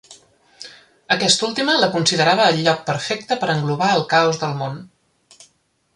Aquesta última la considerava el lloc perfecte per englobar el caos del món.